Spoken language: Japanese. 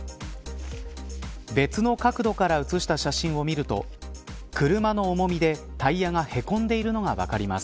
別の角度から写した写真を見ると車の重みでタイヤがへこんでいるのが分かります。